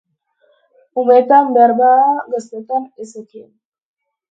Umetan beharbada, gaztetan, ez zekien.